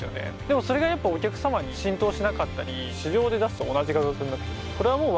でもそれがやっぱお客さまに浸透しなかったり市場で出すと同じ価格になっちゃう。